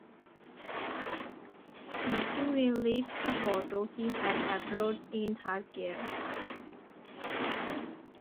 Maturin leaves the potto he had aboard in her care.